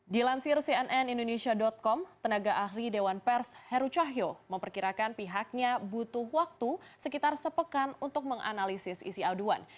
dilansir cnn indonesia com tenaga ahli dewan pers heru cahyo memperkirakan pihaknya butuh waktu sekitar sepekan untuk menganalisis isi aduan